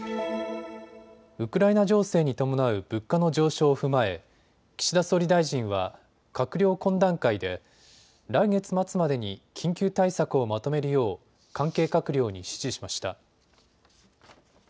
ウクライナ情勢に伴う物価の上昇を踏まえ岸田総理大臣は閣僚懇談会で来月末までに緊急対策をまとめるよう関係閣僚に指示しました。